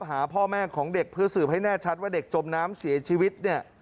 หาพ่อแม่ของเด็กเพื่อสืบให้แน่ชัดว่าเด็กจมน้ำเสียชีวิตเนี่ย